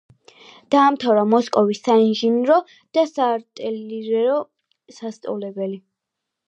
დაამთავრა მოსკოვის საინჟინრო და საარტილერიო სასწავლებელი.